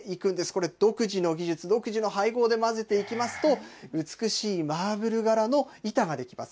これ、独自の技術、独自の配合で混ぜていきますと、美しいマーブル柄の板が出来ます。